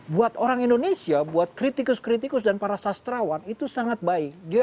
buat orang indonesia buat kritikus kritikus dan para sastrawan itu sangat baik